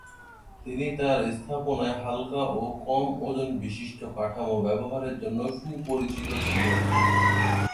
তিনি তার স্থাপনায় হালকা ও কম ওজন বিশিষ্ট কাঠামো ব্যবহারের জন্য সুপরিচিত ছিলেন।